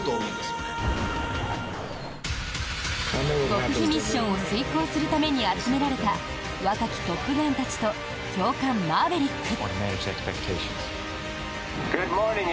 極秘ミッションを遂行するために集められた若きトップガンたちと教官・マーヴェリック。